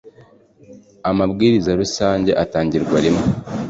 Amabwiriza Rusange atangirwa rimwe.